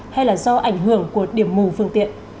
hay là do ảnh hưởng của điểm mù phương tiện